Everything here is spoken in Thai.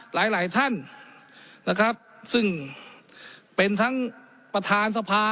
หลายหลายท่านนะครับซึ่งเป็นทั้งประธานสภา